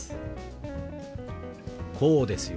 こうですよ。